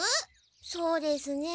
そうですねえ